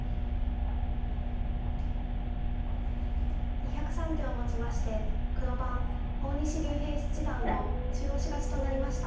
２０３手をもちまして黒番大西竜平七段の中押し勝ちとなりました。